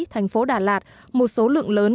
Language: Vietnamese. thành phố đà lạt một số lượng lớn